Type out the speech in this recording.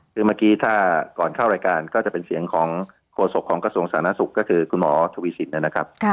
คือเมื่อกี้ถ้าก่อนเข้ารายการก็จะเป็นเสียงของโฆษกของกระทรวงสาธารณสุขก็คือคุณหมอทวีสินนะครับ